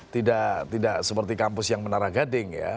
tidak seperti kampus yang menara gading ya